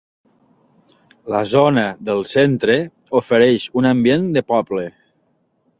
La zona del centre ofereix un ambient de poble.